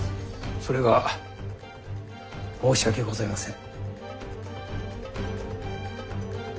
それが申し訳ございません。